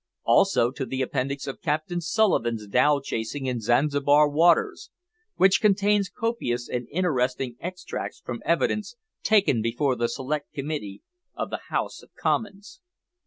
Also to the Appendix of Captain Sulivan's Dhow Chasing in Zanzibar Waters, which contains copious and interesting extracts from evidence taken before the Select Committee of the House of Commons.